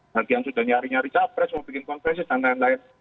bagi yang sudah nyari nyari capres mau bikin konferensi dan lain lain